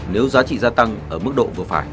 nếu giá trị gia tăng ở mức độ